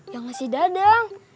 ya nggak sih dadang